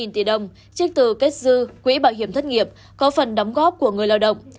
ba mươi tỷ đồng chiếc từ kết dư quỹ bảo hiểm thất nghiệp có phần đóng góp của người lao động